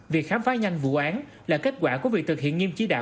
việc khám phá nhanh vụ án là kết quả của việc thực hiện nghiêm trí đạo